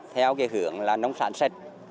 theo cái hưởng là nông sản sạch